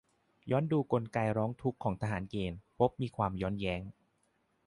ย้อนดูกลไกการร้องทุกข์ของทหารเกณฑ์ พบมีความย้อนแย้ง